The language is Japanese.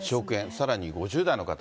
さらに５０代の方。